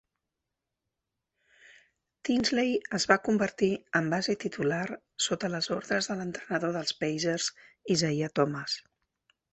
Tinsley es va convertir en base titular sota les ordres de l'entrenador dels Pacers, Isiah Thomas.